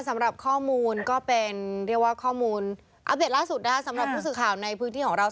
สำหรับข้อมูลก็เป็นเรียกว่าข้อมูลอัปเดตล่าสุดนะคะสำหรับผู้สื่อข่าวในพื้นที่ของเรา